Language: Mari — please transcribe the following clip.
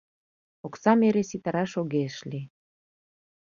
Оксам эре ситараш огеш лий.